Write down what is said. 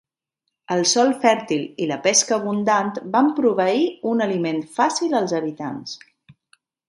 El sòl fèrtil i la pesca abundant van proveir un aliment fàcil als habitants.